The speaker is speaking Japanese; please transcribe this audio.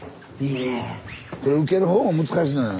これ受ける方も難しいのよ。